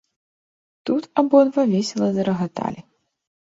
Тут абодва весела зарагаталі.